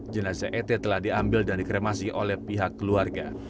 jenazah et telah diambil dan dikremasi oleh pihak keluarga